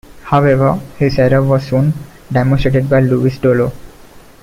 However, his error was soon demonstrated by Louis Dollo.